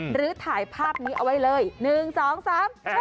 หรือถ่ายภาพนี้เอาไว้เลยหนึ่งสองสาม